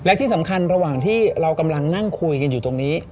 และที่สำคัญระหว่างที่เรากำลังนั่งคุยกันอยู่ตรงนี้